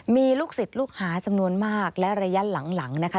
มีลูกศิษย์ลูกหาจำนวนมากและระยะหลังนะคะ